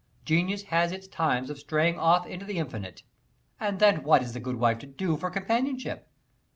Genius has its times of straying off into the infinite and then what is the good wife to do for companionship?